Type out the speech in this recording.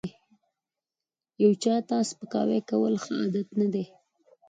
یو چاته سپکاوی کول ښه عادت نه دی